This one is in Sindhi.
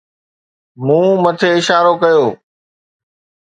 مون مٿي اشارو ڪيو